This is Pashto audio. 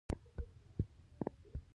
د ویزې ستونزې سوداګر مایوسه کوي.